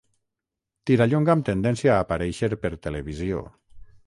Tirallonga amb tendència a aparèixer per televisió.